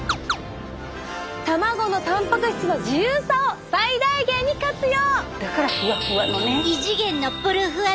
卵のたんぱく質の自由さを最大限に活用！